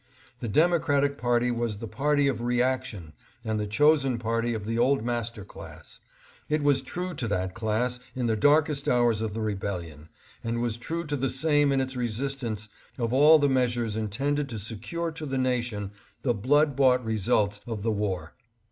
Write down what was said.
The Democratic party was the party of reaction and the chosen party of the old master class. It was true to NO CONFIDENCE IN THE DEMOCRATIC PARTY. 673 that class in the darkest hours of the Rebellion, and was true to the same in its resistance of all the measures intended to secure to the nation the blood bought re sults of the war.